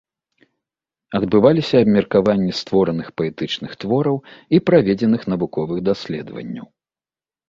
Адбываліся абмеркаванні створаных паэтычных твораў і праведзеных навуковых даследаванняў.